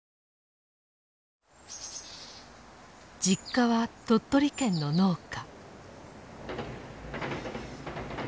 実家は鳥取県の農家。